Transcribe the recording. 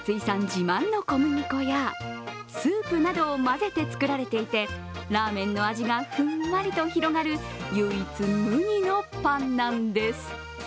自慢の小麦粉やスープなどを混ぜて作られていて、ラーメンの味がふんわりと広がる唯一無二のパンなんです。